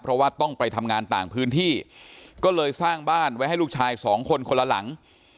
เพราะว่าต้องไปทำงานต่างพื้นที่ก็เลยสร้างบ้านไว้ให้ลูกชายสองคนคนละหลัง